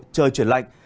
trời chuyển lạnh